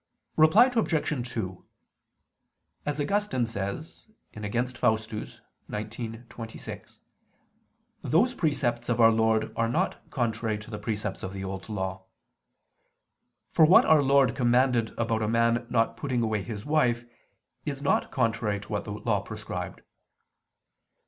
Reply Obj. 2: As Augustine says (Contra Faust. xix, 26), those precepts of Our Lord are not contrary to the precepts of the Old Law. For what Our Lord commanded about a man not putting away his wife, is not contrary to what the Law prescribed.